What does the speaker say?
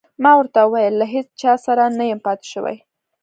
ما ورته وویل: له هیڅ چا سره نه یم پاتې شوی.